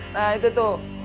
nah itu tuh